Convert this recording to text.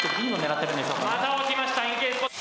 また置きました。